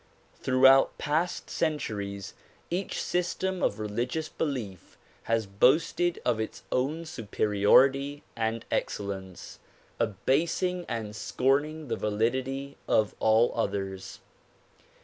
Throughout past centuries each system of religious belief has boasted of its own superiority and excellence, abasing and scorning the validity of all others.